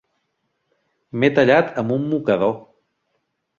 M'he tallat amb un mocador.